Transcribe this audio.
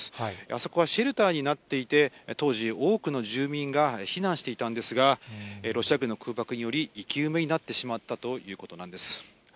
あそこはシェルターになっていて、当時多くの住民が避難していたんですが、ロシア軍の空爆により、生き埋めになってしまったということなんです。